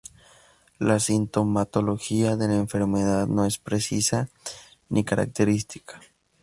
La sintomatología de la enfermedad no es precisa ni característica.